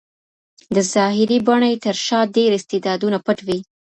د ظاهري بڼې تر شا ډېر استعدادونه پټ وي.